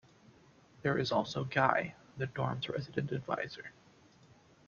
There is also Guy, the dorm's resident adviser.